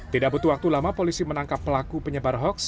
tidak butuh waktu lama polisi menangkap pelaku penyebar hoax